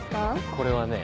これはね